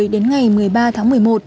đến ngày một mươi ba tháng một mươi một